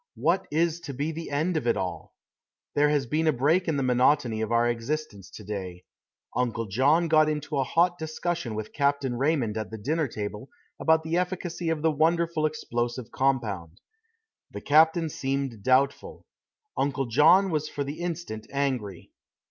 What is to be the end of it all? There has been a break in the monotony of our existence to day. Uncle John got into a hot discussion with Captain Raymond at the dinner table about the efficacy of the wonderful explosive compound. The captain seemed doubtful. Uncle John was for the instant angry.